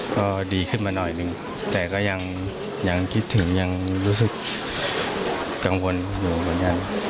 ก็ดีขึ้นมาหน่อยหนึ่งแต่ก็ยังคิดถึงยังรู้สึกกังวลอยู่เหมือนกัน